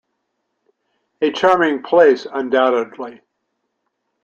A charming place, undoubtedly.